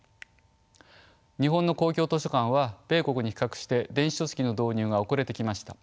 日本の公共図書館は米国に比較して電子書籍の導入が遅れてきました。